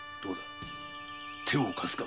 手を貸すか？